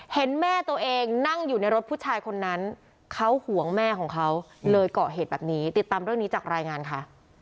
เห็นแม่ตัวเองนั่งอยู่ในรถผู้ชายคนนั้นเขาห่วงแม่ของเขาเลยเกาะเหตุแบบนี้ติดตามเรื่องนี้จากรายงานค่ะ